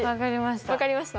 分かりました。